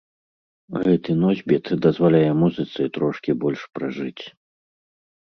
Гэты носьбіт дазваляе музыцы трошкі больш пражыць.